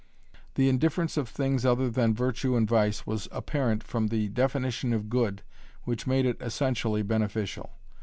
The indifference of things other than virtue and vice was apparent from the definition of good which made it essentially beneficial.